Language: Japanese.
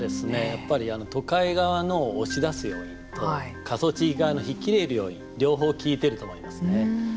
やっぱり都会側の押し出す要因と過疎地側の引き入れる要因両方、効いてると思いますね。